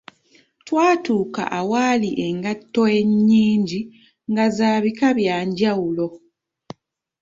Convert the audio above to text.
Twatuuka awaali engatto enyingi nga za bika byanjawulo.